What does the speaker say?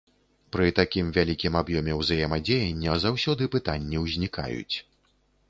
Пры такім вялікім аб'ёме ўзаемадзеяння заўсёды пытанні ўзнікаюць.